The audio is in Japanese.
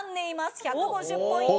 １５０ポイント。